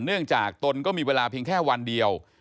เนื่องจากตนก็มีเวลาเพียงแค่วันเดียว